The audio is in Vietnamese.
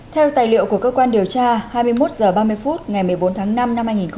theo tài liệu của cơ quan điều tra hai mươi một h ba mươi phút ngày một mươi bốn tháng năm năm hai nghìn hai mươi